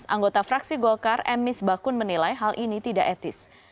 anggota fraksi golkar m mis bakun menilai hal ini tidak etis